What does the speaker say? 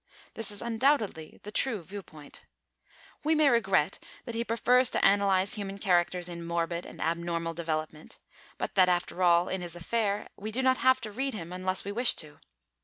This is undoubtedly the true viewpoint. We may regret that he prefers to analyse human characters in morbid and abnormal development, but that, after all, is his affair, and we do not have to read him unless we wish to.